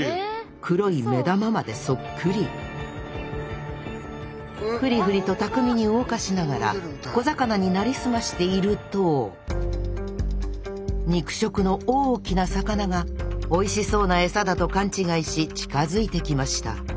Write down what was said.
黒い目玉までそっくりフリフリと巧みに動かしながら小魚になりすましていると肉食の大きな魚がおいしそうなエサだと勘違いし近づいてきました。